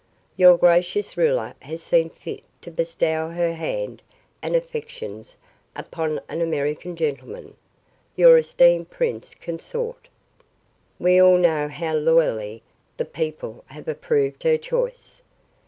Your gracious ruler has seen fit to bestow her hand and affections upon an American gentleman, your esteemed prince consort. We all know how loyally the people have approved her choice.